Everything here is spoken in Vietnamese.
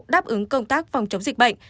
đáp ứng công tác phòng chống dịch bệnh